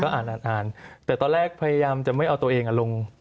อ่านอ่านแต่ตอนแรกพยายามจะไม่เอาตัวเองลง